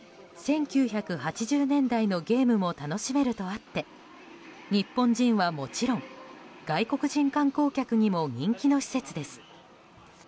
１９８０年代のゲームも楽しめるとあって日本人はもちろん外国人観光客にも人気の施設です。